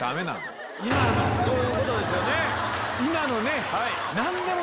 そういうことですよね。